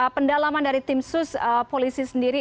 pendalaman dari tim sus polisi sendiri